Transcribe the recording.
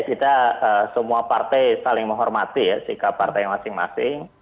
kita semua partai saling menghormati ya sikap partai masing masing